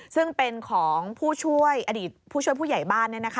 ซึ่งเป็นของผู้ช่วยผู้ใหญ่บ้าน